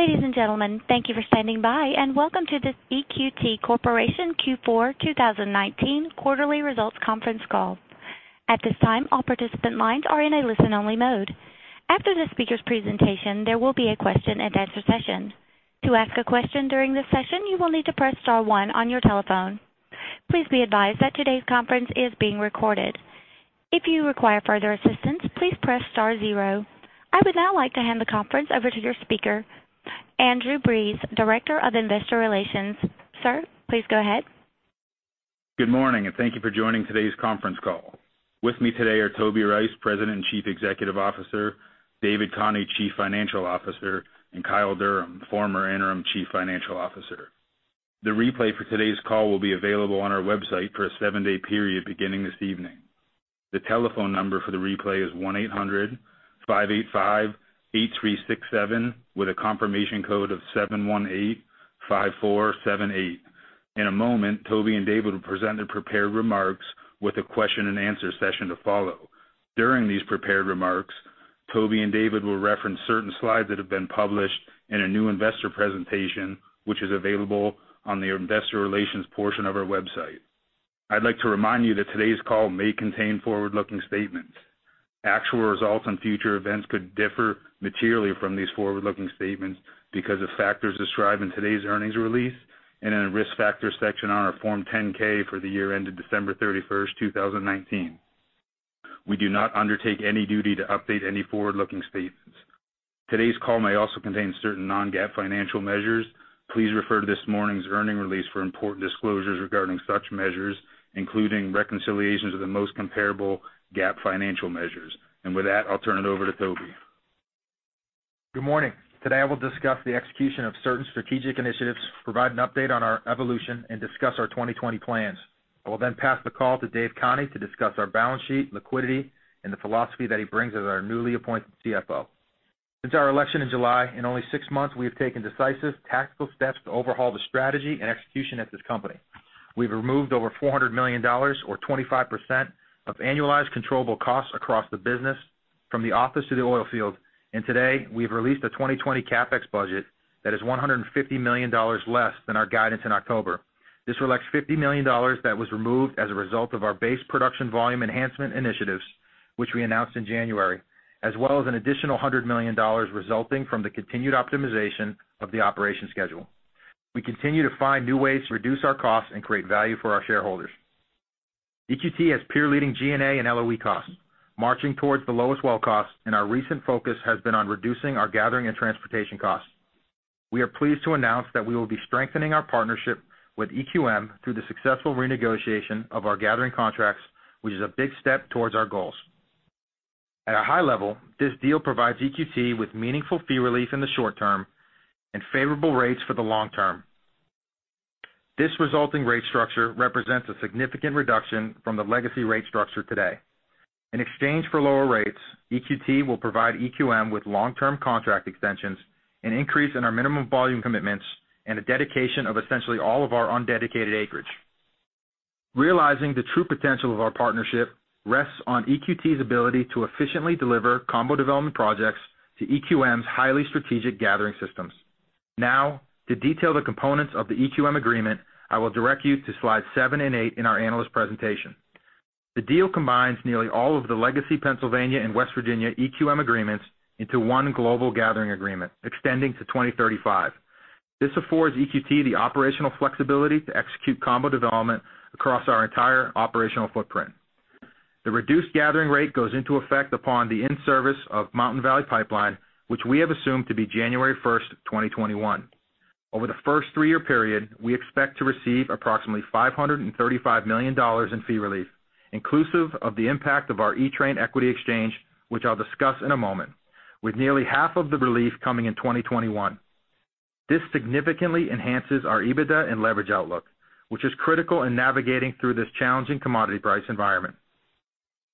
Ladies and gentlemen, thank you for standing by, and welcome to the EQT Corporation Q4 2019 Quarterly Results conference call. At this time, all participant lines are in a listen-only mode. After the speakers' presentation, there will be a question-and-answer session. To ask a question during this session, you will need to press star one on your telephone. Please be advised that today's conference is being recorded. If you require further assistance, please press star zero. I would now like to hand the conference over to your speaker, Andrew Breeze, Director of Investor Relations. Sir, please go ahead. Good morning, and thank you for joining today's conference call. With me today are Toby Rice, President and Chief Executive Officer, David Conti, Chief Financial Officer, and Kyle Durham, former interim Chief Financial Officer. The replay for today's call will be available on our website for a seven-day period beginning this evening. The telephone number for the replay is 1-800-585-8367 with a confirmation code of 7185478. In a moment, Toby and David will present their prepared remarks with a question-and-answer session to follow. During these prepared remarks, Toby and David will reference certain slides that have been published in a new investor presentation, which is available on the investor relations portion of our website. I'd like to remind you that today's call may contain forward-looking statements. Actual results or future events could differ materially from these forward-looking statements because of factors described in today's earnings release and in our risk factor section on our Form 10-K for the year ended December 31st, 2019. We do not undertake any duty to update any forward-looking statements. Today's call may also contain certain non-GAAP financial measures. Please refer to this morning's earnings release for important disclosures regarding such measures, including reconciliations of the most comparable GAAP financial measures, and with that, I'll turn it over to Toby. Good morning. Today, I will discuss the execution of certain strategic initiatives, provide an update on our evolution, and discuss our 2020 plans. I will pass the call to Dave Conti to discuss our balance sheet, liquidity, and the philosophy that he brings as our newly appointed CFO. Since our election in July, in only six months, we have taken decisive tactical steps to overhaul the strategy and execution at this company. We've removed over $400 million, or 25%, of annualized controllable costs across the business from the office to the oil field. Today, we've released a 2020 CapEx budget that is $150 million less than our guidance in October. This reflects $50 million that was removed as a result of our base production volume enhancement initiatives, which we announced in January, as well as an additional $100 million resulting from the continued optimization of the operation schedule. We continue to find new ways to reduce our costs and create value for our shareholders. EQT has peer-leading G&A and LOE costs, marching towards the lowest well costs, and our recent focus has been on reducing our gathering and transportation costs. We are pleased to announce that we will be strengthening our partnership with EQM through the successful renegotiation of our gathering contracts, which is a big step towards our goals. At a high level, this deal provides EQT with meaningful fee relief in the short term, and favorable rates for the long term. This resulting rate structure represents a significant reduction from the legacy rate structure today. In exchange for lower rates, EQT will provide EQM with long-term contract extensions, an increase in our minimum volume commitments, and a dedication of essentially all of our undedicated acreage. Realizing the true potential of our partnership rests on EQT's ability to efficiently deliver combo development projects to EQM's highly strategic gathering systems. To detail the components of the EQM agreement, I will direct you to slides seven and eight in our analyst presentation. The deal combines nearly all of the legacy Pennsylvania and West Virginia EQM agreements into one global gathering agreement extending to 2035. This affords EQT the operational flexibility to execute combo development across our entire operational footprint. The reduced gathering rate goes into effect upon the in-service of Mountain Valley Pipeline, which we have assumed to be January 1st, 2021. Over the first three-year period, we expect to receive approximately $535 million in fee relief, inclusive of the impact of our E-Train equity exchange, which I'll discuss in a moment, with nearly half of the relief coming in 2021. This significantly enhances our EBITDA and leverage outlook, which is critical in navigating through this challenging commodity price environment.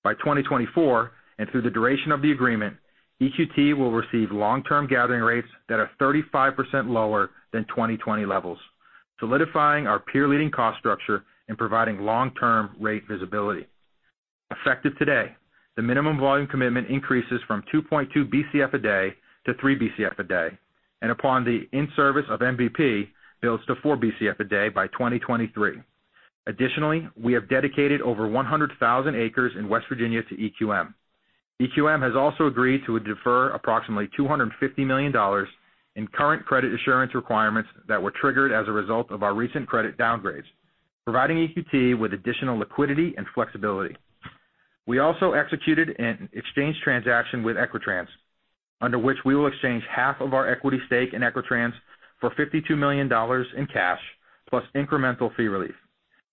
By 2024, and through the duration of the agreement, EQT will receive long-term gathering rates that are 35% lower than 2020 levels, solidifying our peer-leading cost structure and providing long-term rate visibility. Effective today, the minimum volume commitment increases from 2.2 Bcf a day to 3 Bcf a day, and upon the in-service of MVP, builds to 4 Bcf a day by 2023. Additionally, we have dedicated over 100,000 acres in West Virginia to EQM. EQM has also agreed to defer approximately $250 million in current credit assurance requirements that were triggered as a result of our recent credit downgrades, providing EQT with additional liquidity and flexibility. We also executed an exchange transaction with Equitrans, under which we will exchange half of our equity stake in Equitrans for $52 million in cash, plus incremental fee relief.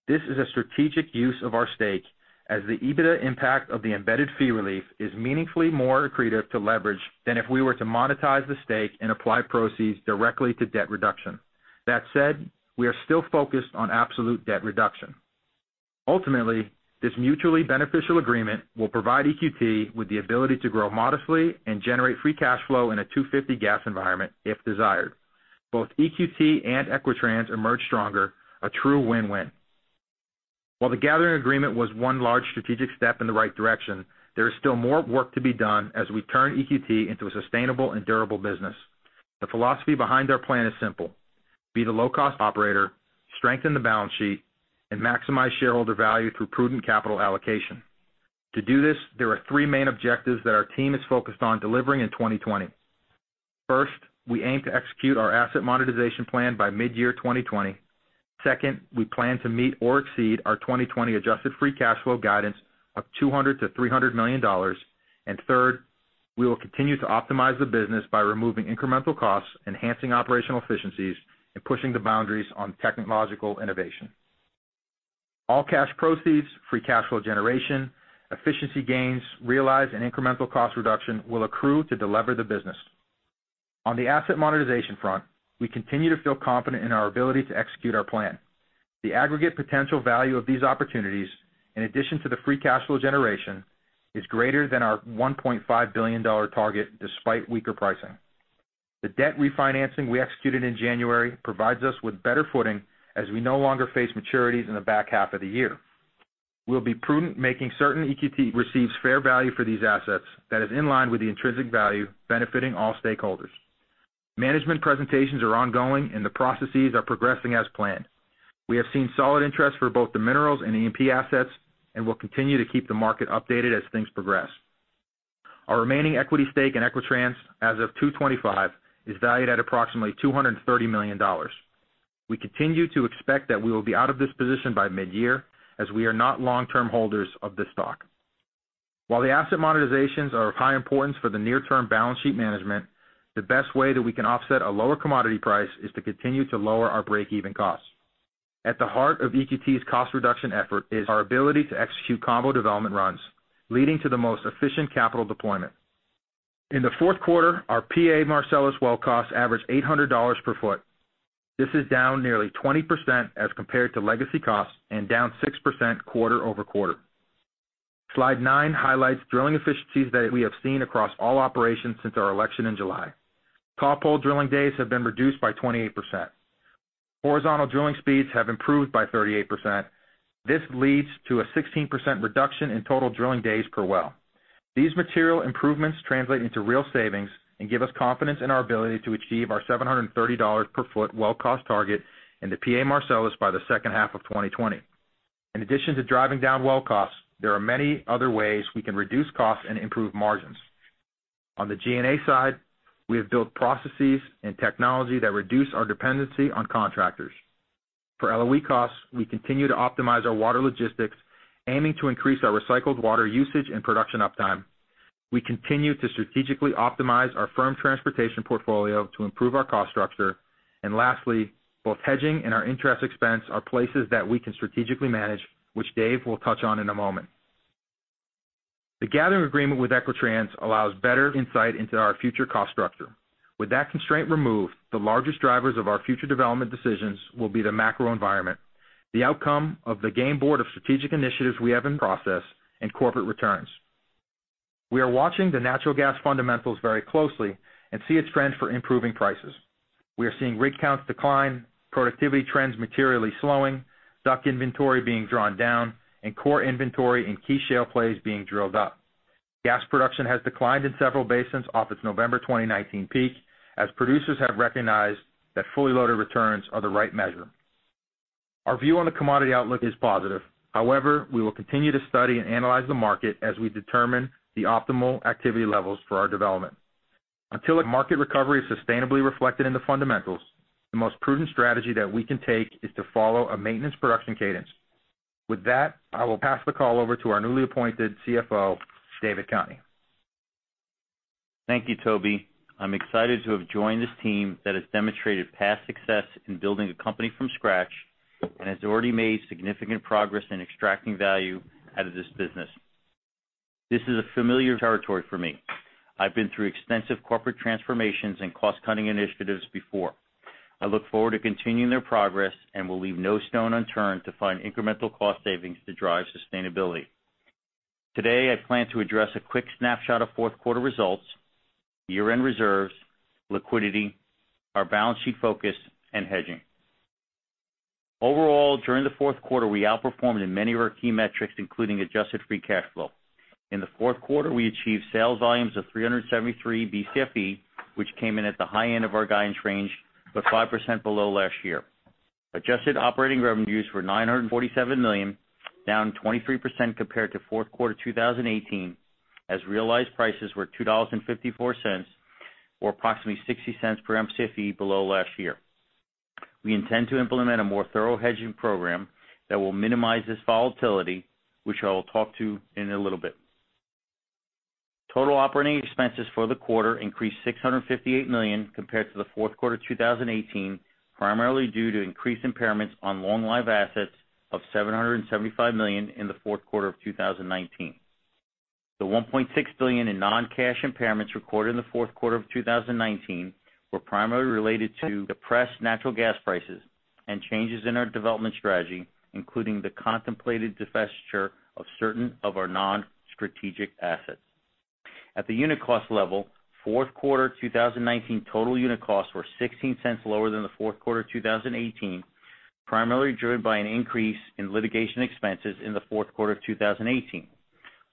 This is a strategic use of our stake, as the EBITDA impact of the embedded fee relief is meaningfully more accretive to leverage than if we were to monetize the stake and apply proceeds directly to debt reduction. That said, we are still focused on absolute debt reduction. Ultimately, this mutually beneficial agreement will provide EQT with the ability to grow modestly and generate free cash flow in a $2.50 gas environment if desired. Both EQT and Equitrans emerge stronger, a true win-win. While the gathering agreement was one large strategic step in the right direction, there is still more work to be done as we turn EQT into a sustainable and durable business. The philosophy behind our plan is simple: Be the low-cost operator, strengthen the balance sheet, and maximize shareholder value through prudent capital allocation. To do this, there are three main objectives that our team is focused on delivering in 2020. First, we aim to execute our asset monetization plan by mid-year 2020. Second, we plan to meet or exceed our 2020 adjusted free cash flow guidance of $200 million to $300 million. Third, we will continue to optimize the business by removing incremental costs, enhancing operational efficiencies, and pushing the boundaries on technological innovation. All cash proceeds, free cash flow generation, efficiency gains realized, and incremental cost reduction will accrue to delever the business. On the asset monetization front, we continue to feel confident in our ability to execute our plan. The aggregate potential value of these opportunities, in addition to the free cash flow generation, is greater than our $1.5 billion target despite weaker pricing. The debt refinancing we executed in January provides us with better footing as we no longer face maturities in the back half of the year. We'll be prudent, making certain EQT receives fair value for these assets that is in line with the intrinsic value benefiting all stakeholders. Management presentations are ongoing and the processes are progressing as planned. We have seen solid interest for both the minerals and E&P assets and will continue to keep the market updated as things progress. Our remaining equity stake in Equitrans as of 2/25 is valued at approximately $230 million. We continue to expect that we will be out of this position by mid-year, as we are not long-term holders of this stock. While the asset monetizations are of high importance for the near-term balance sheet management, the best way that we can offset a lower commodity price is to continue to lower our breakeven costs. At the heart of EQT's cost reduction effort is our ability to execute combo development runs, leading to the most efficient capital deployment. In the fourth quarter, our PA Marcellus well costs averaged $800 per foot. This is down nearly 20% as compared to legacy costs and down 6% quarter-over-quarter. Slide nine highlights drilling efficiencies that we have seen across all operations since our election in July. Top hole drilling days have been reduced by 28%. Horizontal drilling speeds have improved by 38%. This leads to a 16% reduction in total drilling days per well. These material improvements translate into real savings and give us confidence in our ability to achieve our $730 per foot well cost target in the PA Marcellus by the second half of 2020. In addition to driving down well costs, there are many other ways we can reduce costs and improve margins. On the G&A side, we have built processes and technology that reduce our dependency on contractors. For LOE costs, we continue to optimize our water logistics, aiming to increase our recycled water usage and production uptime. We continue to strategically optimize our firm transportation portfolio to improve our cost structure. Lastly, both hedging and our interest expense are places that we can strategically manage, which Dave will touch on in a moment. The gathering agreement with Equitrans allows better insight into our future cost structure. With that constraint removed, the largest drivers of our future development decisions will be the macro environment, the outcome of the game board of strategic initiatives we have in process, and corporate returns. We are watching the natural gas fundamentals very closely and see a trend for improving prices. We are seeing rig counts decline, productivity trends materially slowing, DUC inventory being drawn down, and core inventory in key shale plays being drilled up. Gas production has declined in several basins off this November 2019 peak, as producers have recognized that fully loaded returns are the right measure. Our view on the commodity outlook is positive. However, we will continue to study and analyze the market as we determine the optimal activity levels for our development. Until a market recovery is sustainably reflected in the fundamentals, the most prudent strategy that we can take is to follow a maintenance production cadence. With that, I will pass the call over to our newly appointed CFO, David Conti. Thank you, Toby. I'm excited to have joined this team that has demonstrated past success in building a company from scratch and has already made significant progress in extracting value out of this business. This is a familiar territory for me. I've been through extensive corporate transformations and cost-cutting initiatives before. I look forward to continuing their progress and will leave no stone unturned to find incremental cost savings to drive sustainability. Today, I plan to address a quick snapshot of fourth quarter results, year-end reserves, liquidity, our balance sheet focus, and hedging. Overall, during the fourth quarter, we outperformed in many of our key metrics, including adjusted free cash flow. In the fourth quarter, we achieved sales volumes of 373 Mcfe, which came in at the high end of our guidance range, but 5% below last year. Adjusted operating revenues were $947 million, down 23% compared to fourth quarter 2018, as realized prices were $2.54 or approximately $0.60 per Mcfe below last year. We intend to implement a more thorough hedging program that will minimize this volatility, which I will talk to in a little bit. Total operating expenses for the quarter increased $658 million compared to the fourth quarter 2018, primarily due to increased impairments on long-lived assets of $775 million in the fourth quarter of 2019. The $1.6 billion in non-cash impairments recorded in the fourth quarter of 2019 were primarily related to depressed natural gas prices and changes in our development strategy, including the contemplated divestiture of certain of our non-strategic assets. At the unit cost level, fourth quarter 2019 total unit costs were $0.16 lower than the fourth quarter 2018, primarily driven by an increase in litigation expenses in the fourth quarter of 2018.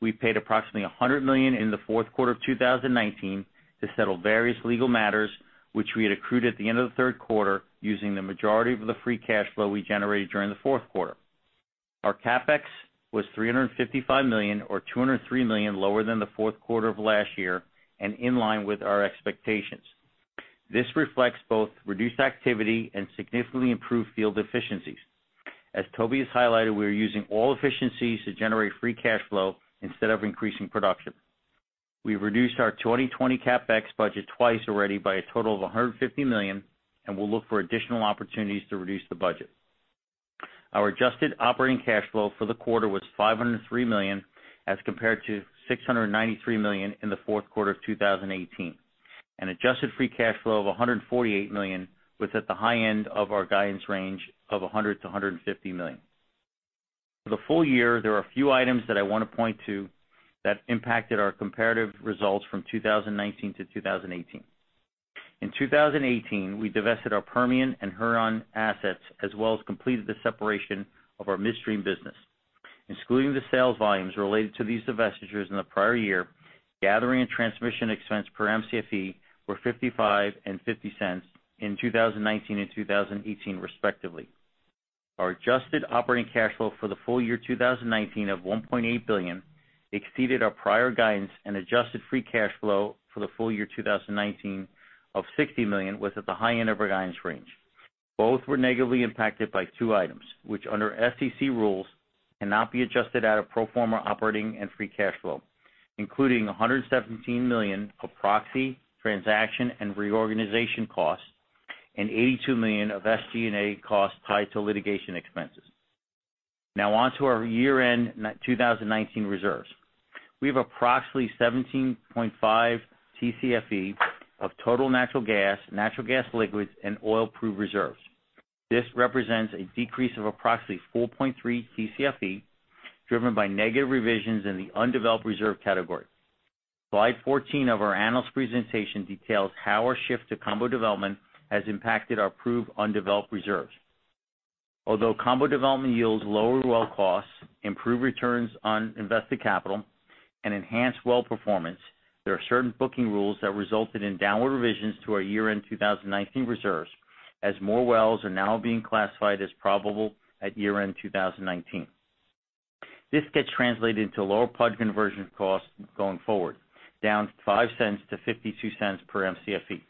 We have paid approximately $100 million in the fourth quarter of 2019 to settle various legal matters, which we had accrued at the end of the third quarter using the majority of the free cash flow we generated during the fourth quarter. Our CapEx was $355 million, or $203 million lower than the fourth quarter of last year, and in line with our expectations. This reflects both reduced activity and significantly improved field efficiencies. As Toby has highlighted, we are using all efficiencies to generate free cash flow instead of increasing production. We have reduced our 2020 CapEx budget twice already by a total of $150 million, and we'll look for additional opportunities to reduce the budget. Our adjusted operating cash flow for the quarter was $503 million, as compared to $693 million in the fourth quarter of 2018. An adjusted free cash flow of $148 million was at the high end of our guidance range of $100 million to $150 million. For the full year, there are a few items that I want to point to that impacted our comparative results from 2019 to 2018. In 2018, we divested our Permian and Huron assets, as well as completed the separation of our midstream business. Excluding the sales volumes related to these divestitures in the prior year, gathering and transmission expense per Mcfe were $0.55 and $0.50 in 2019 and 2018, respectively. Our adjusted operating cash flow for the full-year 2019 of $1.8 billion exceeded our prior guidance, and adjusted free cash flow for the full-year 2019 of $60 million was at the high end of our guidance range. Both were negatively impacted by two items, which under SEC rules, cannot be adjusted out of pro forma operating and free cash flow, including $117 million of proxy, transaction, and reorganization costs, and $82 million of SG&A costs tied to litigation expenses. Now on to our year-end 2019 reserves. We have approximately 17.5 Tcfe of total natural gas, natural gas liquids, and oil-proved reserves. This represents a decrease of approximately 4.3 Tcfe driven by negative revisions in the undeveloped reserve category. Slide 14 of our analyst presentation details how our shift to combo development has impacted our proved undeveloped reserves. Although combo development yields lower well costs, improved returns on invested capital, and enhanced well performance, there are certain booking rules that resulted in downward revisions to our year-end 2019 reserves, as more wells are now being classified as probable at year-end 2019. This gets translated into lower PUD conversion costs going forward, down $0.05 to $0.52 per Mcfe.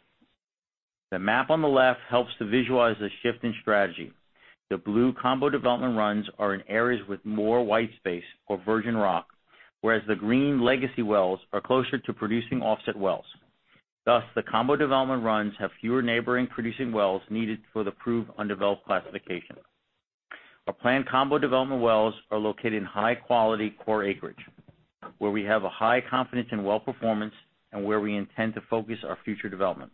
The map on the left helps to visualize the shift in strategy. The blue combo development runs are in areas with more white space or virgin rock, whereas the green legacy wells are closer to producing offset wells. Thus, the combo development runs have fewer neighboring producing wells needed for the proved undeveloped classification. Our planned combo development wells are located in high-quality core acreage, where we have a high confidence in well performance and where we intend to focus our future development.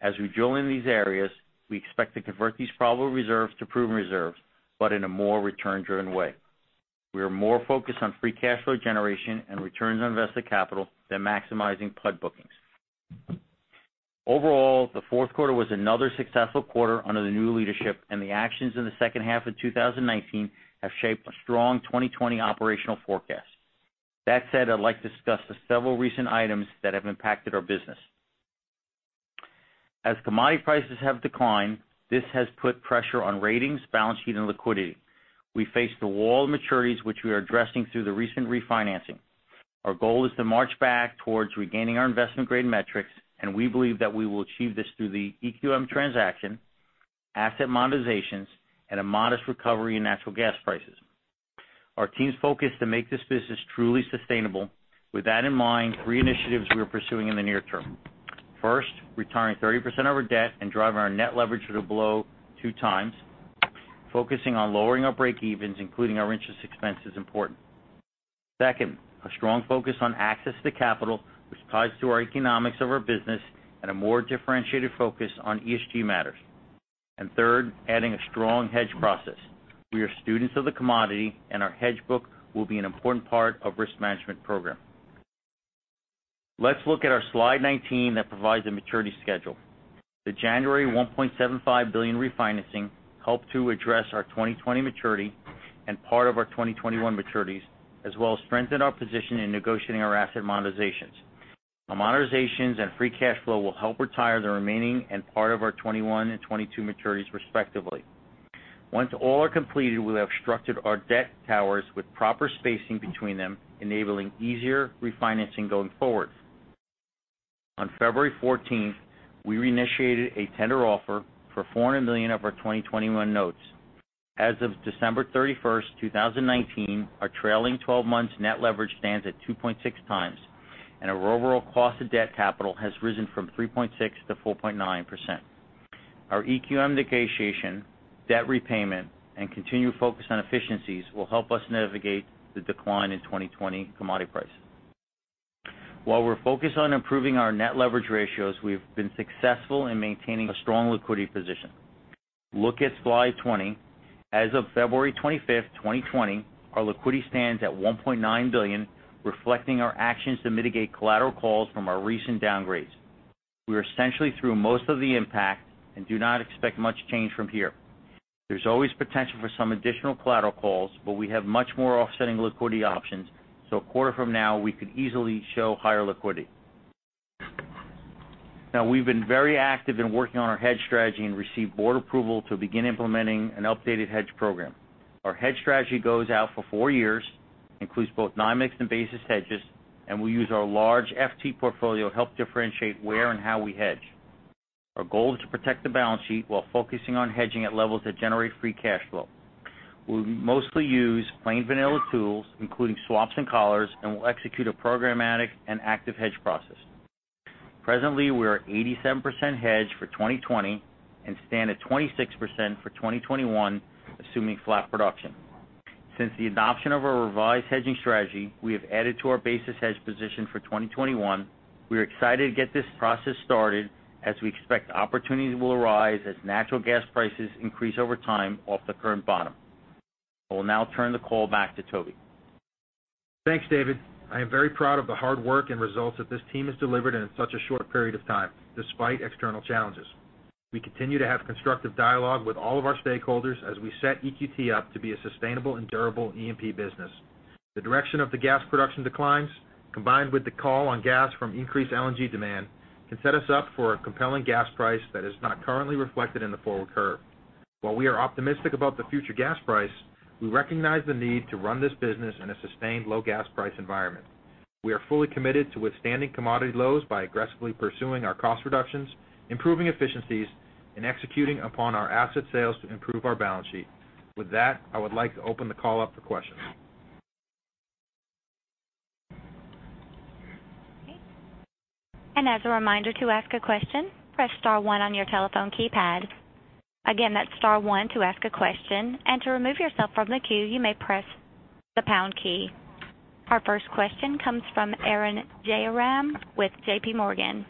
As we drill in these areas, we expect to convert these probable reserves to proven reserves, but in a more return-driven way. We are more focused on free cash flow generation and returns on invested capital than maximizing PUD bookings. Overall, the fourth quarter was another successful quarter under the new leadership, and the actions in the second half of 2019 have shaped a strong 2020 operational forecast. With that said, I'd like to discuss the several recent items that have impacted our business. As commodity prices have declined, this has put pressure on ratings, balance sheet, and liquidity. We face the wall of maturities, which we are addressing through the recent refinancing. Our goal is to march back towards regaining our investment-grade metrics, and we believe that we will achieve this through the EQM transaction, asset monetizations, and a modest recovery in natural gas prices. Our team's focused to make this business truly sustainable. With that in mind, three initiatives we are pursuing in the near term. First, retiring 30% of our debt and driving our net leverage to below two times. Focusing on lowering our break evens, including our interest expense, is important. Second, a strong focus on access to capital, which ties to our economics of our business and a more differentiated focus on ESG matters, and third, adding a strong hedge process. We are students of the commodity, and our hedge book will be an important part of risk management program. Let's look at our slide 19 that provides a maturity schedule. The January $1.75 billion refinancing helped to address our 2020 maturity and part of our 2021 maturities, as well as strengthened our position in negotiating our asset monetizations. Our monetizations and free cash flow will help retire the remaining and part of our 2021 and 2022 maturities respectively. Once all are completed, we'll have structured our debt towers with proper spacing between them, enabling easier refinancing going forward. On February 14th, we reinitiated a tender offer for $400 million of our 2021 notes. As of December 31st 2019, our trailing 12 months net leverage stands at 2.6x, and our overall cost of debt capital has risen from 3.6% to 4.9%. Our EQM negotiation, debt repayment, and continued focus on efficiencies will help us navigate the decline in 2020 commodity prices. While we're focused on improving our net leverage ratios, we've been successful in maintaining a strong liquidity position. Look at slide 20, as of February 25th, 2020, our liquidity stands at $1.9 billion, reflecting our actions to mitigate collateral calls from our recent downgrades. We are essentially through most of the impact and do not expect much change from here. There's always potential for some additional collateral calls, but we have much more offsetting liquidity options, so a quarter from now, we could easily show higher liquidity. We've been very active in working on our hedge strategy and received board approval to begin implementing an updated hedge program. Our hedge strategy goes out for four years, includes both NYMEX and basis hedges, and we use our large FT portfolio to help differentiate where and how we hedge. Our goal is to protect the balance sheet while focusing on hedging at levels that generate free cash flow. We'll mostly use plain vanilla tools, including swaps and collars, and will execute a programmatic and active hedge process. Presently, we are 87% hedged for 2020 and stand at 26% for 2021, assuming flat production. Since the adoption of our revised hedging strategy, we have added to our basis hedge position for 2021. We are excited to get this process started, as we expect opportunities will arise as natural gas prices increase over time off the current bottom. I will now turn the call back to Toby. Thanks, David. I am very proud of the hard work and results that this team has delivered in such a short period of time, despite external challenges. We continue to have constructive dialogue with all of our stakeholders as we set EQT up to be a sustainable and durable E&P business. The direction of the gas production declines, combined with the call on gas from increased LNG demand, can set us up for a compelling gas price that is not currently reflected in the forward curve. While we are optimistic about the future gas price, we recognize the need to run this business in a sustained low gas price environment. We are fully committed to withstanding commodity lows by aggressively pursuing our cost reductions, improving efficiencies, and executing upon our asset sales to improve our balance sheet. With that, I would like to open the call up for questions. Okay. And as a reminder, to ask a question, press star one on your telephone keypad. Again, that's star one to ask a question. To remove yourself from the queue, you may press the pound key. Our first question comes from Arun Jayaram with J.P. Morgan.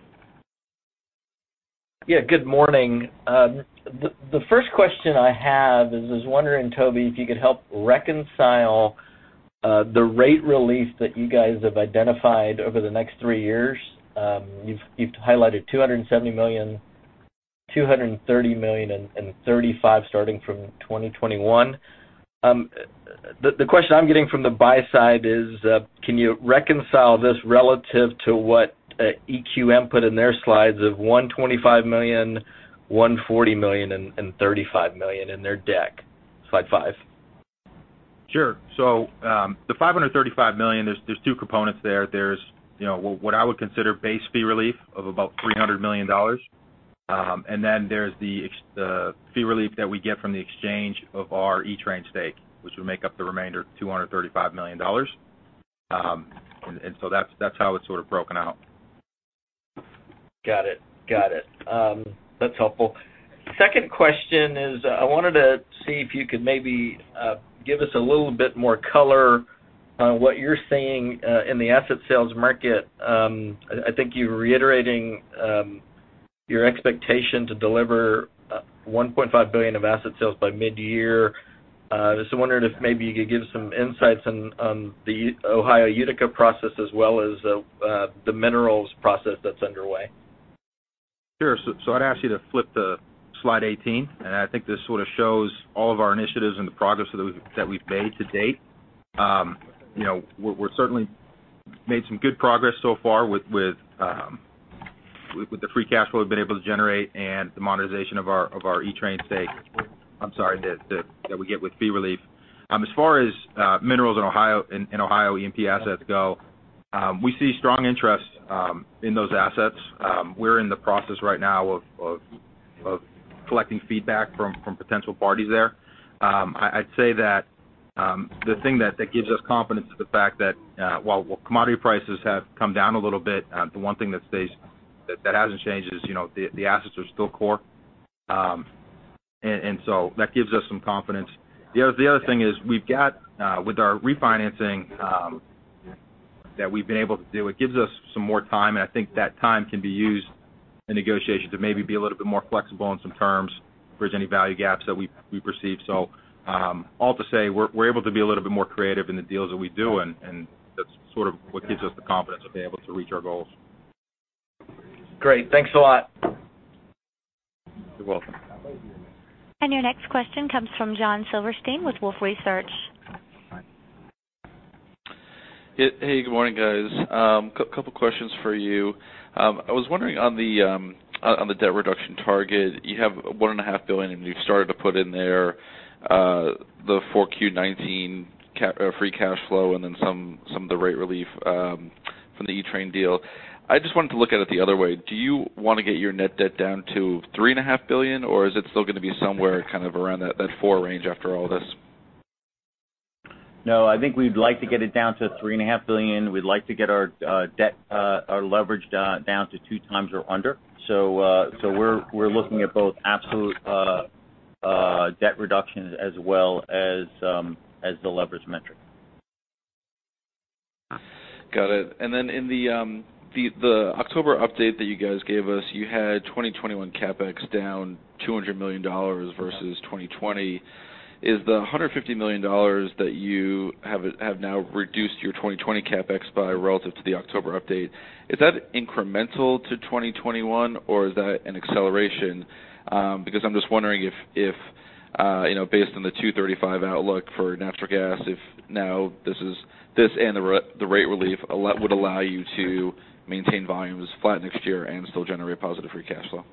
Yeah. Good morning. The first question I have is, I was wondering, Toby, if you could help reconcile the rate release that you guys have identified over the next three years. You've highlighted $270 million, $230 million, and $35 million starting from 2021. The question I'm getting from the buy side is, can you reconcile this relative to what EQM put in their slides of $125 million, $140 million, and $35 million in their deck, slide five? Sure. The $535 million, there's two components there. There's what I would consider base fee relief of about $300 million. There's the fee relief that we get from the exchange of our Equitrans stake, which would make up the remainder, $235 million, and so that's how it's broken out. Got it, got it, that's helpful. Second question is, I wanted to see if you could maybe give us a little bit more color on what you're seeing in the asset sales market. I think you were reiterating your expectation to deliver $1.5 billion of asset sales by mid-year. I was just wondering if maybe you could give some insights on the Ohio Utica process as well as the minerals process that's underway. Sure. I'd ask you to flip to slide 18, and I think this shows all of our initiatives and the progress that we've made to date. We've certainly made some good progress so far with the free cash flow we've been able to generate and the monetization of our Etrain stake, I'm sorry, that we get with fee relief. As far as minerals in Ohio, the E&P assets go, we see strong interest in those assets. We're in the process right now of collecting feedback from potential parties there. I'd say that the thing that gives us confidence is the fact that while commodity prices have come down a little bit, the one thing that hasn't changed is, you know, the assets are still core. That gives us some confidence. The other thing is we've got with our refinancing that we've been able to do, it gives us some more time, and I think that time can be used in negotiations to maybe be a little bit more flexible on some terms, bridge any value gaps that we perceive. All to say, we're able to be a little bit more creative in the deals that we do and that's what gives us the confidence that we'll be able to reach our goals. Great, thanks a lot. You're welcome. Your next question comes from Josh Silverstein with Wolfe Research. Hey. Good morning, guys, a couple questions for you. I was wondering on the debt reduction target, you have $1.5 billion, and you've started to put in there the four Q2019 free cash flow and then some of the rate relief from the Etrain deal. I just wanted to look at it the other way. Do you want to get your net debt down to $3.5 billion, or is it still going to be somewhere around that $4 billion range after all this? No, I think we'd like to get it down to $3.5 billion. We'd like to get our leverage down to 2x or under. We're looking at both absolute debt reduction as well as the leverage metric. Got it, and then in the October update that you guys gave us, you had 2021 CapEx down $200 million versus 2020, is the $150 million that you have now reduced your 2020 CapEx by relative to the October update, is that incremental to 2021, or is that an acceleration? I'm just wondering if, you know, based on the $235 outlook for natural gas, if now this and the rate relief would allow you to maintain volumes flat next year and still generate positive free cash flow.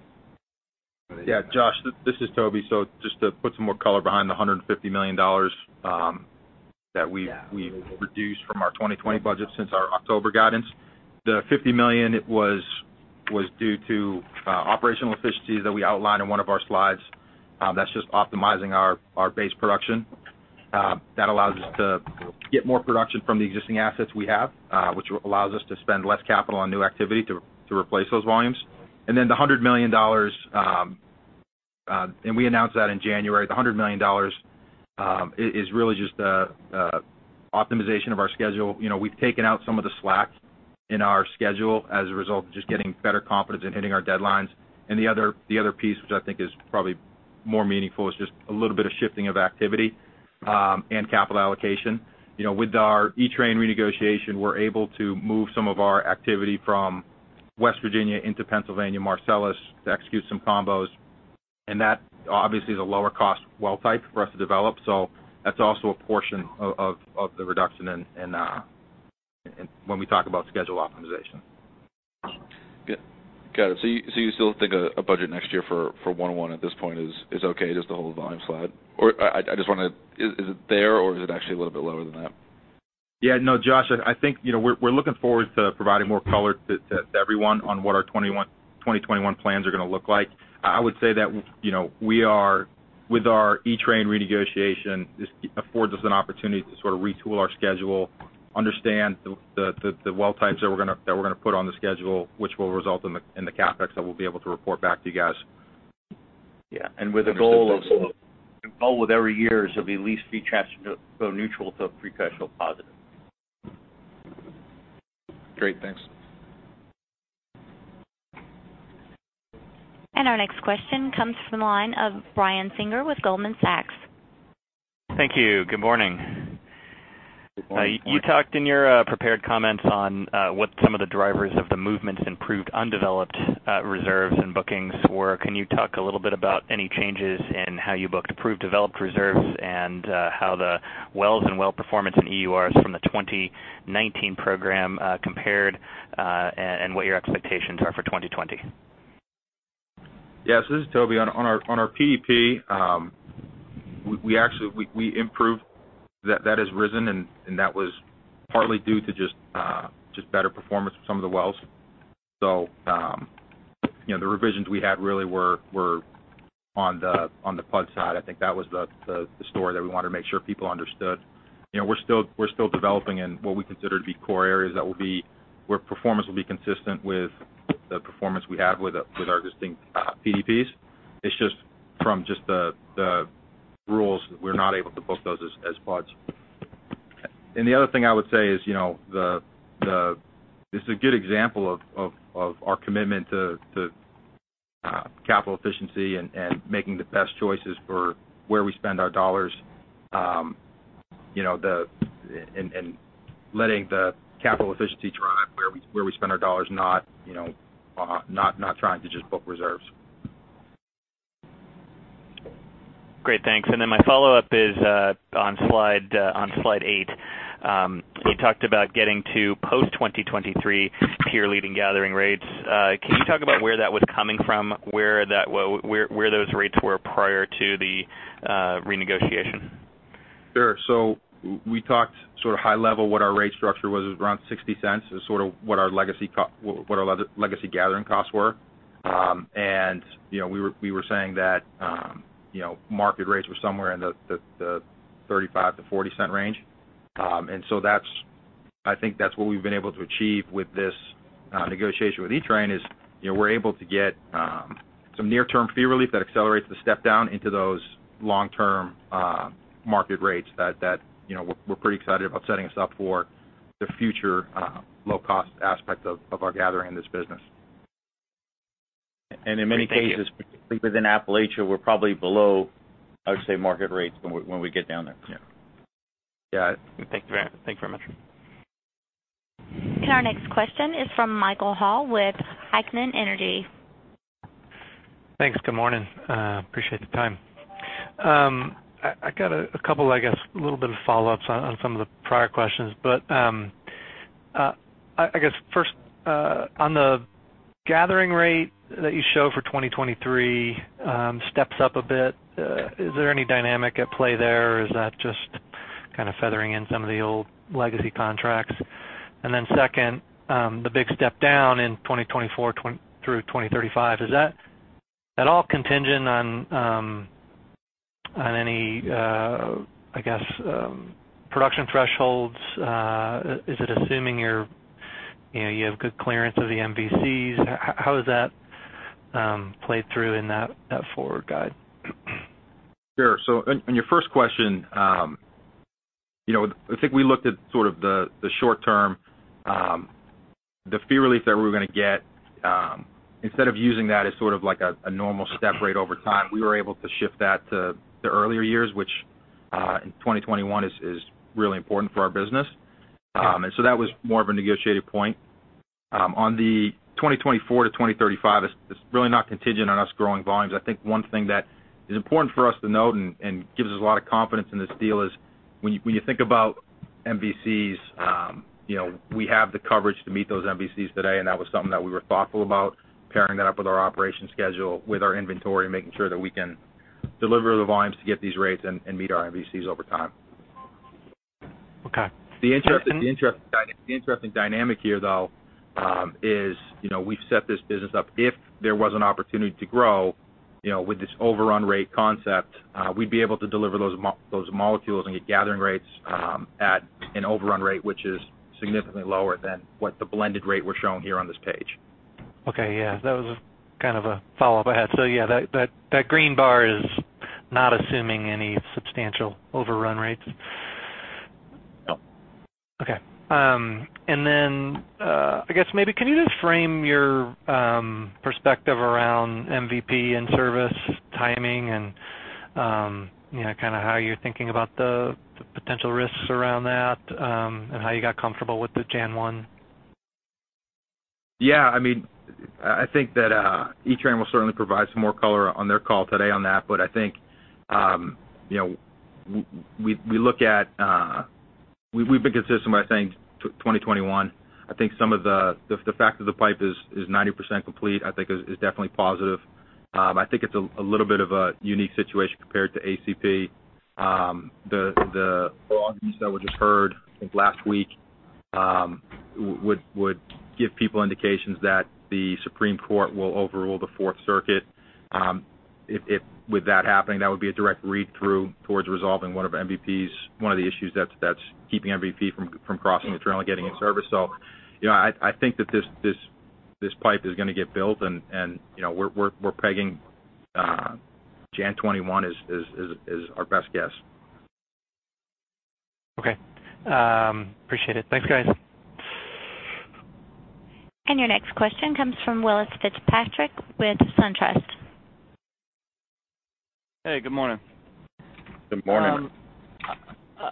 Josh, this is Toby, so just to put some more color behind the $150 million that we've reduced from our 2020 budget since our October guidance. The $50 million was due to operational efficiencies that we outlined in one of our slides. That's just optimizing our base production. That allows us to get more production from the existing assets we have, which allows us to spend less capital on new activity to replace those volumes, and then the $100 million, and we announced that in January, the $100 million is really just optimization of our schedule. We've taken out some of the slack in our schedule as a result of just getting better confidence in hitting our deadlines. The other piece, which I think is probably more meaningful, is just a little bit of shifting of activity and capital allocation. With our Etrain renegotiation, we're able to move some of our activity from West Virginia into Pennsylvania Marcellus to execute some combos. That obviously is a lower-cost well type for us to develop. That's also a portion of the reduction when we talk about schedule optimization. Got it, so you still think a budget next year for 101 at this point is okay, just to hold volume slide? Is it there, or is it actually a little bit lower than that? Yeah. No, Josh, I think we're looking forward to providing more color to everyone on what our 2021 plans are going to look like. I would say that, you know, with our Etrain renegotiation, this affords us an opportunity to sort of retool our schedule, understand the well types that we're going to put on the schedule, which will result in the CapEx that we'll be able to report back to you guys. Yeah, with the goal with every year is it'll be at least free cash flow neutral to free cash flow positive. Great. Thanks. Our next question comes from the line of Brian Singer with Goldman Sachs. Thank you. Good morning. Good morning. You talked in your prepared comments on what some of the drivers of the movements in proved undeveloped reserves and bookings were. Can you talk a little bit about any changes in how you booked proved developed reserves and how the wells and well performance in EURs from the 2019 program compared, and what your expectations are for 2020? Yeah, so this is Toby. On our PDP, we improved, that has risen, and that was partly due to just better performance with some of the wells. The revisions we had really were on the PUD side. I think that was the story that we wanted to make sure people understood. We're still developing in what we consider to be core areas where performance will be consistent with the performance we have with our existing PDPs. It's just from the rules, we're not able to book those as PUDs, and the other thing I would say is, you know, this is a good example of our commitment to capital efficiency and making the best choices for where we spend our dollars, and letting the capital efficiency drive where we spend our dollars, not trying to just book reserves. Great, thanks, then my follow-up is on slide eight, and you talked about getting to post 2023 peer-leading gathering rates. Can you talk about where that was coming from, where those rates were prior to the renegotiation? Sure. We talked sort of high level what our rate structure was. It was around $0.60 is sort of what our legacy gathering costs were. We were saying that, you know, market rates were somewhere in the $0.35 to $0.40 range. I think that's what we've been able to achieve with this negotiation with Etrain is, you know, we're able to get some near-term fee relief that accelerates the step-down into those long-term market rates that we're pretty excited about setting us up for the future low-cost aspect of our gathering in this business. In many cases, particularly within Appalachia, we're probably below, I would say, market rates when we get down there. Yeah. Got it. Thanks, man. Thanks very much. Our next question is from Michael Hall with Heikkinen Energy Advisors. Thanks, good morning, appreciate the time. I got a couple, I guess, little bit of follow-ups on some of the prior questions. I guess, first, on the gathering rate that you show for 2023 steps up a bit, is there any dynamic at play there, or is that just kind of feathering in some of the old legacy contracts? Second, the big step-down in 2024 through 2035, is that at all contingent on any, I guess, production thresholds? Is it assuming, you know, you have good clearance of the MVCs? How does that play through in that forward guide? Sure, so on your first question, you know, I think we looked at the short term. The fee relief that we were going to get, instead of using that as a normal step rate over time, we were able to shift that to the earlier years, which in 2021 is really important for our business, so that was more of a negotiated point. On the 2024 to 2035, it's really not contingent on us growing volumes. I think one thing that is important for us to note and gives us a lot of confidence in this deal is when you think about MVCs, you know, we have the coverage to meet those MVCs today, and that was something that we were thoughtful about, pairing that up with our operation schedule, with our inventory, and making sure that we can deliver the volumes to get these rates, and meet our MVCs over time. Okay. The interesting dynamic here, though is, you know, we've set this business up. If there was an opportunity to grow with this overrun rate concept, we'd be able to deliver those molecules and get gathering rates at an overrun rate, which is significantly lower than what the blended rate we're showing here on this page. Okay. Yeah. That was kind of a follow-up I had. Yeah, that green bar is not assuming any substantial overrun rates. No. Okay. I guess maybe can you just frame your perspective around MVP in service timing and how you're thinking about the potential risks around that, and how you got comfortable with the January 1? I think that Etrain will certainly provide some more color on their call today on that. I think we've been consistent by saying 2021. I think the fact that the pipe is 90% complete, I think is definitely positive. I think it's a little bit of a unique situation compared to ACP. All of these that we just heard, I think, last week, would give people indications that the Supreme Court will overrule the Fourth Circuit. With that happening, that would be a direct read-through towards resolving one of the issues that's keeping MVP from crossing the trail and getting in service, so I think that this pipe is going to get built and, you know, we're pegging January 2021 as our best guess. Okay, appreciate it. Thanks, guys. Your next question comes from Welles Fitzpatrick with SunTrust. Hey, good morning. Good morning.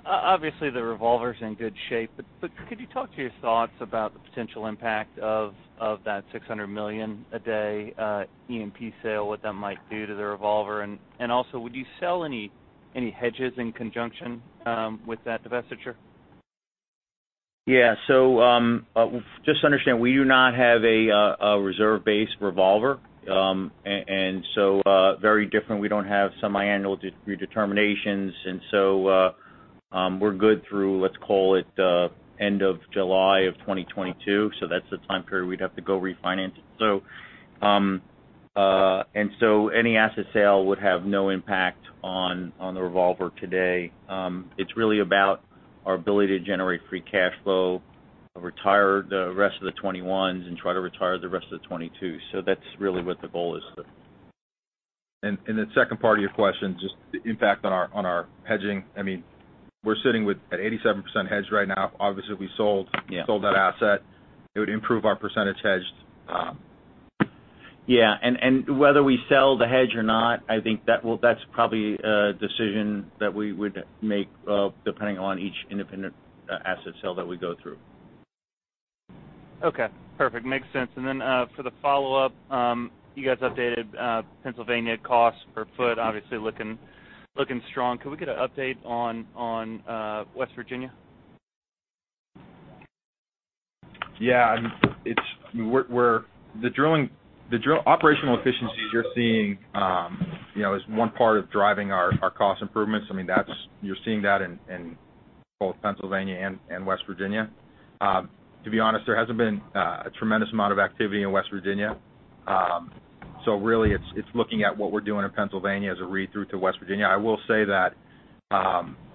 Obviously, the revolver's in good shape, but could you talk to your thoughts about the potential impact of that $600 million a day E&P sale, what that might do to the revolver? Also, would you sell any hedges in conjunction with that divestiture? Yeah, so just to understand, we do not have a reserve-based revolver, and very different. We don't have semiannual redeterminations. We're good through, let's call it, end of July of 2022, so that's the time period we'd have to go refinance. Any asset sale would have no impact on the revolver today. It's really about our ability to generate free cash flow, retire the rest of the 2021s, and try to retire the rest of the 2022. That's really what the goal is. The second part of your question, just the impact on our hedging. We're sitting with at 87% hedged right now. Obviously, if we sold that asset, it would improve our percentage hedged. Yeah, and whether we sell the hedge or not, I think that's probably a decision that we would make depending on each independent asset sale that we go through. Okay, perfect, makes sense, and then for the follow-up, you guys updated Pennsylvania cost per foot, obviously looking strong. Could we get an update on West Virginia? Yeah, the operational efficiencies you're seeing is one part of driving our cost improvements. You're seeing that in both Pennsylvania and West Virginia. To be honest, there hasn't been a tremendous amount of activity in West Virginia, so really, it's looking at what we're doing in Pennsylvania as a read-through to West Virginia. I will say that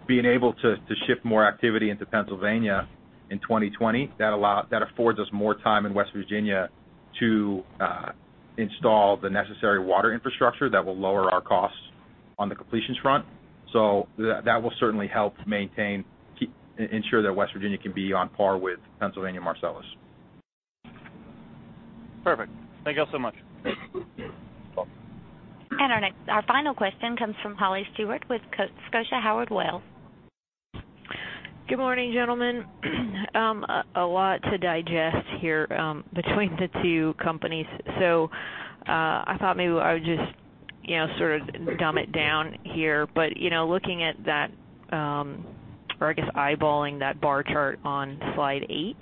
being able to shift more activity into Pennsylvania in 2020, that affords us more time in West Virginia to install the necessary water infrastructure that will lower our costs on the completions front. That will certainly help ensure that West Virginia can be on par with Pennsylvania Marcellus. Perfect. Thank you all so much. Welcome. Our final question comes from Holly Stewart with Scotiabank Howard Weil. Good morning, gentlemen. A lot to digest here between the two companies. I thought maybe I would just sort of dumb it down here but, you know, looking at that, or I guess eyeballing that bar chart on slide eight,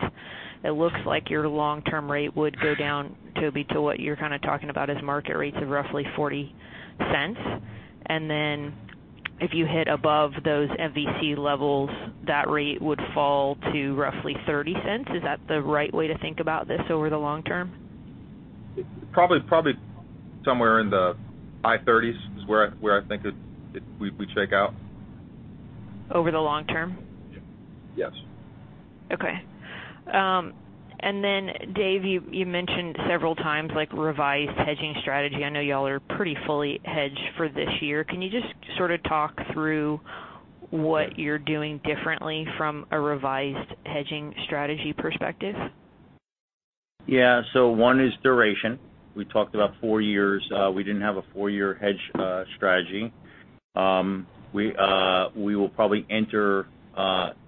it looks like your long-term rate would go down to be to what you're kind of talking about as market rates of roughly $0.40. If you hit above those MVC levels, that rate would fall to roughly $0.30. Is that the right way to think about this over the long term? Probably somewhere in the high 30s is where I think we check out. Over the long term? Yes. Okay, and then Dave, you mentioned several times revised hedging strategy. I know you all are pretty fully hedged for this year. Can you just sort of talk through what you're doing differently from a revised hedging strategy perspective? Yeah, so one is duration. We talked about four years. We didn't have a four-year hedge strategy. We will probably enter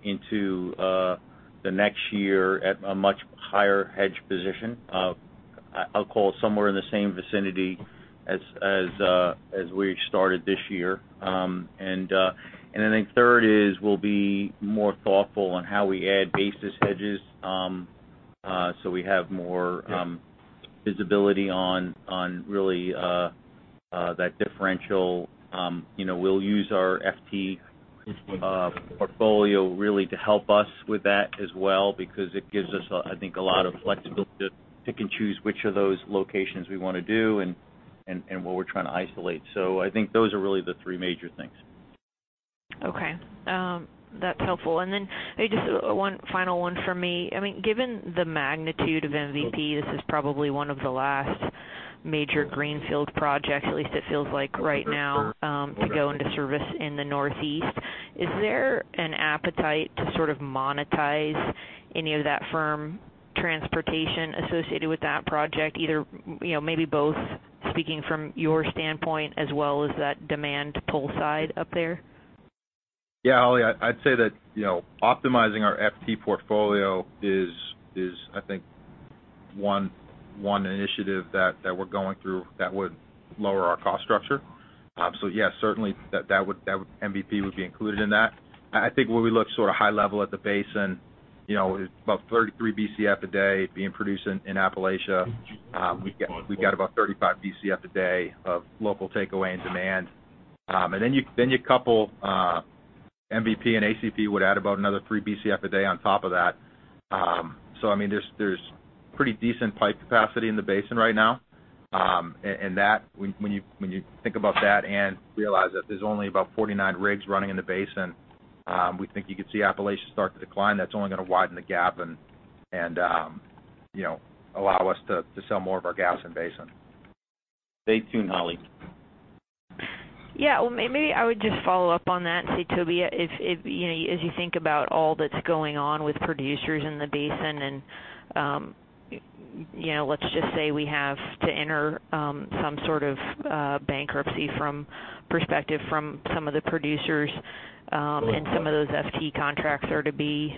into the next year at a much higher hedge position. I'll call it somewhere in the same vicinity as we started this year. I think third is we'll be more thoughtful on how we add basis hedges, so we have more visibility on really that differential. We'll use our FT portfolio really to help us with that as well because it gives us, I think, a lot of flexibility to pick and choose which of those locations we want to do and what we're trying to isolate. I think those are really the three major things. Okay, that's helpful. Maybe just one final one from me. Given the magnitude of MVP, this is probably one of the last major greenfield projects, at least it feels like right now, to go into service in the Northeast. Is there an appetite to sort of monetize any of that firm transportation associated with that project either, you know, maybe both speaking from your standpoint as well as that demand pull side up there? Yeah, Holly, I'd say that, you know, optimizing our FT portfolio is I think one initiative that we're going through that would lower our cost structure. Yeah, certainly MVP would be included in that. Then you couple MVP and ACP would add about another 3 Bcf a day on top of that. I think when we look sort of high level at the basin, about 33 Bcf a day being produced in Appalachia. We've got about 35 Bcf a day of local takeaway and demand, and then you couple MVP and ACP, we'd add another 3 Bcf on top of that. So there's pretty decent pipe capacity in the basin right now. When you think about that and realize that there's only about 49 rigs running in the basin, we think you could see Appalachia start to decline. That's only going to widen the gap and, you know, allow us to sell more of our gas in basin. Stay tuned, Holly. Yeah, well, maybe I would just follow up on that and say, Toby, as you think about all that's going on with producers in the basin and, you know, let's just say we have to enter some sort of bankruptcy perspective from some of the producers, and some of those FT contracts are to be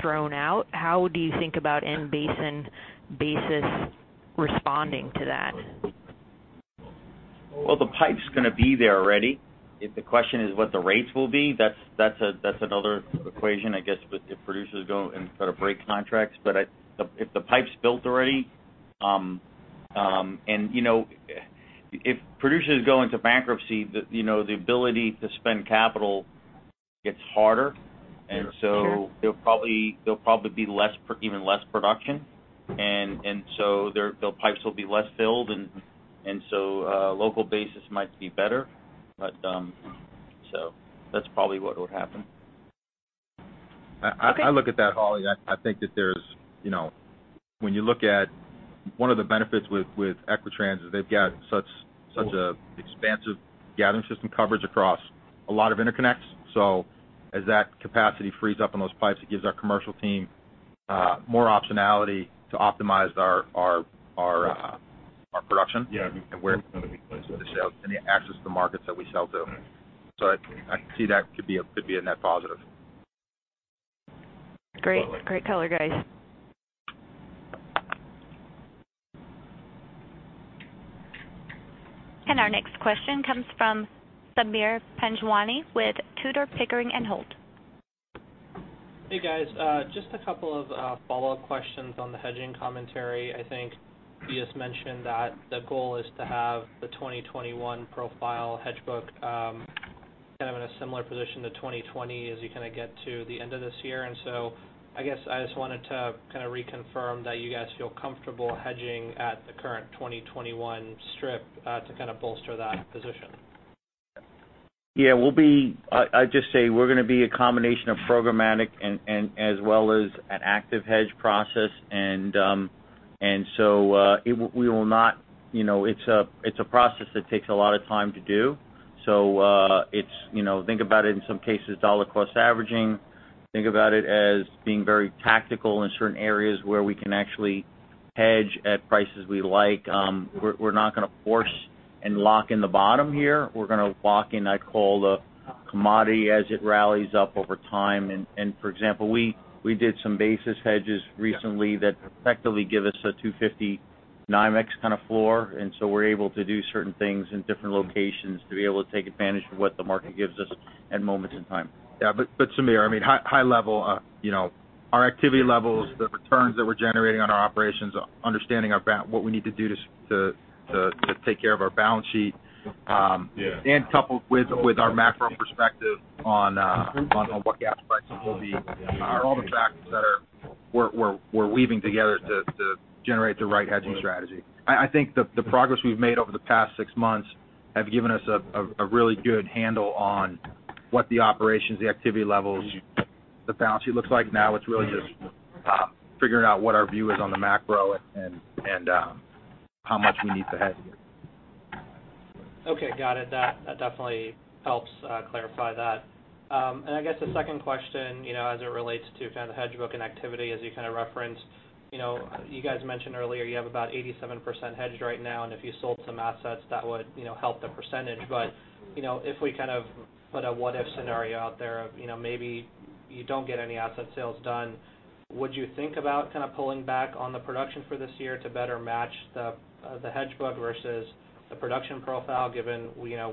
thrown out. How do you think about in-basin basis responding to that? Well, the pipe's going to be there already. If the question is what the rates will be, that's another equation, I guess, if producers go and sort of break contracts. If the pipe's built already and, you know, if producers go into bankruptcy, the ability to spend capital gets harder. Sure. There'll probably be even less production. The pipes will be less filled, and so local basis might be better, but that's probably what would happen. I look at that, Holly, I think that there's, you know, when you look at one of the benefits with Equitrans is they've got such a expansive gathering system coverage across a lot of interconnects. As that capacity frees up on those pipes, it gives our commercial team more optionality to optimize our production, where we sell, and the any access to the markets that we sell to, so I see that could be a net positive. Great color, guys. Our next question comes from Sameer Panjwani with Tudor, Pickering, and Holt. Hey, guys, just a couple of follow-up questions on the hedging commentary. I think you just mentioned that the goal is to have the 2021 profile hedge book kind of in a similar position to 2020 as you kind of get to the end of this year. I guess I just wanted to kind of reconfirm that you guys feel comfortable hedging at the current 2021 strip to kind of bolster that position. Yeah. I'd just say we're going to be a combination of programmatic and as well as an active hedge process. It's a process that takes a lot of time to do, so think about it in some cases, dollar cost averaging, think about it as being very tactical in certain areas where we can actually hedge at prices we like. We're not going to force and lock in the bottom here. We're going to lock in, I call the commodity as it rallies up over time. For example, we did some basis hedges recently that effectively give us a $2.50 NYMEX kind of floor. We're able to do certain things in different locations to be able to take advantage of what the market gives us at moments in time. Yeah. Sameer, high level, you know, our activity levels, the returns that we're generating on our operations, understanding what we need to do to take care of our balance sheet, and coupled with our macro perspective on what gas prices will be, are all the factors that we're weaving together to generate the right hedging strategy. I think the progress we've made over the past six months have given us a really good handle on what the operations, the activity levels, the balance sheet looks like. Now, it's really just figuring out what our view is on the macro, and how much we need to hedge. Okay, got it, that definitely helps clarify that. I guess the second question, as it relates to the hedge booking activity, as you referenced. You guys mentioned earlier you have about 87% hedged right now, and if you sold some assets that would, you know, help the percentage. If we put a what if scenario out there of maybe you don't get any asset sales done, would you think about pulling back on the production for this year to better match the hedge book versus the production profile, given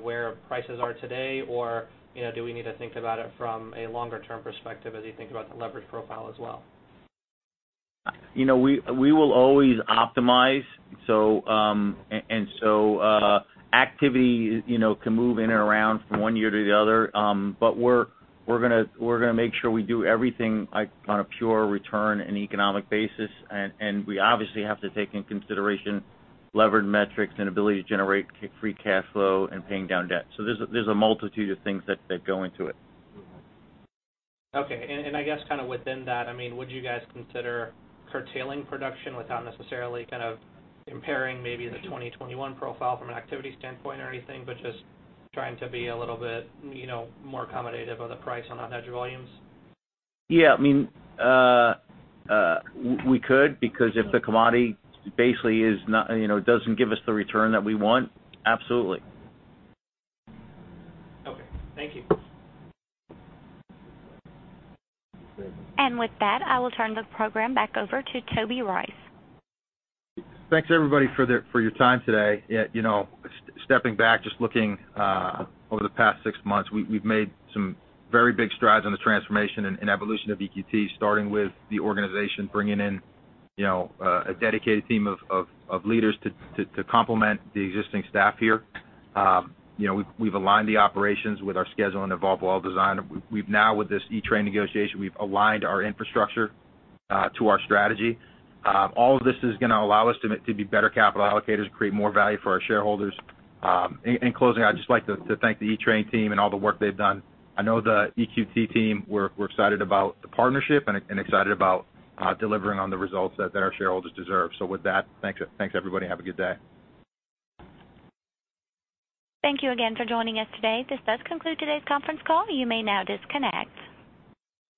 where prices are today, or do we need to think about it from a longer-term perspective as you think about the leverage profile as well? We will always optimize, and so, activity can move in and around from one year to the other. We're going to make sure we do everything on a pure return and economic basis, and we obviously have to take into consideration levered metrics and ability to generate free cash flow and paying down debt. There's a multitude of things that go into it. Okay. I guess within that, would you guys consider curtailing production without necessarily impairing maybe the 2021 profile from an activity standpoint or anything, but just trying to be a little bit more accommodative of the price on unhedged volumes? Yeah. We could, because if the commodity basically doesn't give us the return that we want, absolutely. Okay. Thank you. With that, I will turn the program back over to Toby Rice. Thanks, everybody, for your time today. Stepping back, just looking over the past six months, we've made some very big strides on the transformation and evolution of EQT, starting with the organization, bringing in, you know, a dedicated team of leaders to complement the existing staff here. We've aligned the operations with our schedule and evolved well design. We've now, with this Etrain negotiation, we've aligned our infrastructure to our strategy. All of this is going to allow us to be better capital allocators and create more value for our shareholders. In closing, I'd just like to thank the Etrain team and all the work they've done. I know the EQT team, we're excited about the partnership and excited about delivering on the results that our shareholders deserve. With that, thanks, everybody, and have a good day. Thank you again for joining us today. This does conclude today's conference call. You may now disconnect.